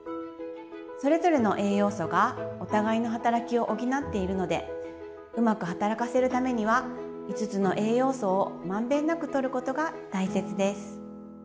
それぞれの栄養素がお互いの働きを補っているのでうまく働かせるためには５つの栄養素を満遍なくとることが大切です。